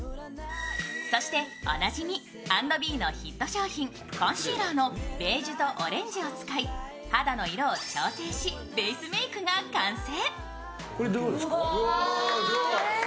そして、おなじみ＆ｂｅのヒット商品、ファンシーラーのベージュとオレンジを使い肌の色を調整し、ベースメイクが完成。